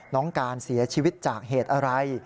น้องการเสียชีวิตจากเหตุอะไร